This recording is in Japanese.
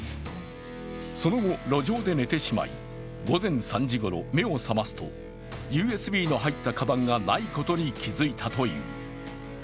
その後、路上で寝てしまい午前３時ごろ、目を覚ますとＵＳＢの入ったかばんがないことに気づいたという。